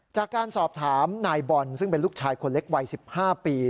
จากการสอบถามนายบอลซึ่งเป็นลูกชายคนเล็กวัย๑๕ปี